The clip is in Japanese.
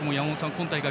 今大会